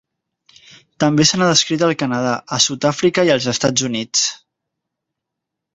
També se n'ha descrit al Canadà, a Sud-àfrica i als Estats Units.